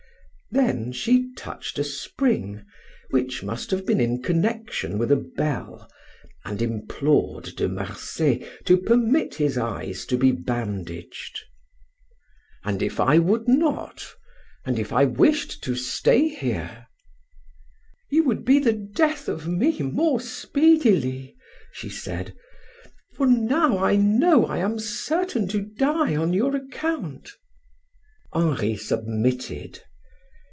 Then she touched a spring, which must have been in connection with a bell, and implored De Marsay to permit his eyes to be bandaged. "And if I would not and if I wished to stay here?" "You would be the death of me more speedily," she said, "for now I know I am certain to die on your account." Henri submitted.